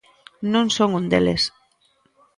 Non son un deles.